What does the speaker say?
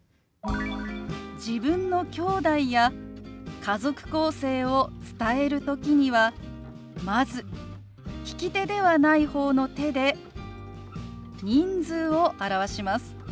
自分のきょうだいや家族構成を伝える時にはまず利き手ではない方の手で人数を表します。